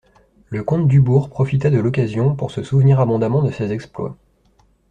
Le comte Dubourg profita de l'occasion pour se souvenir abondamment de ses exploits.